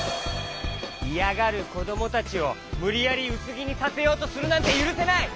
いやがるこどもたちをむりやりうすぎにさせようとするなんてゆるせない！